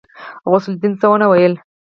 غوث الدين څه ونه ويل.